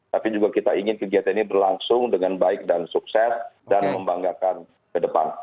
tapi juga kita ingin kegiatan ini berlangsung dengan baik dan sukses dan membanggakan ke depan